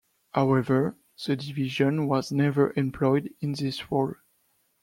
However, the division was never employed in this role.